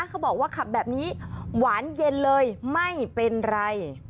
เขาบอกว่าขับแบบนี้หวานเย็นเลยไม่เป็นไร